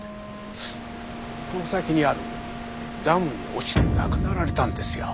この先にあるダムに落ちて亡くなられたんですよ。